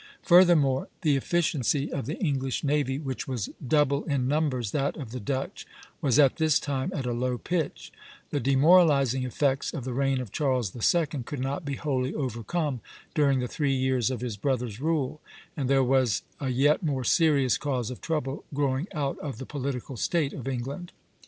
Furthermore, the efficiency of the English navy, which was double in numbers that of the Dutch, was at this time at a low pitch; the demoralizing effects of the reign of Charles II. could not be wholly overcome during the three years of his brother's rule, and there was a yet more serious cause of trouble growing out of the political state of England.